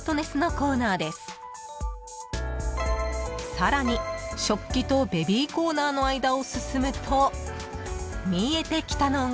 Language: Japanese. ［さらに食器とベビーコーナーの間を進むと見えてきたのが］